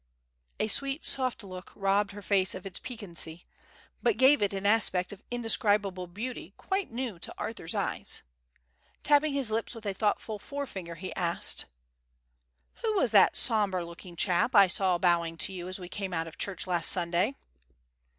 A sweet soft look robbed her face of its piquancy, but gave it an aspect of indescribable beauty quite new to Arthur's eyes. Tapping his lips with a thoughtful forefinger, he asked: "Who was that sombre looking chap I saw bowing to you as we came out of church last Sunday?"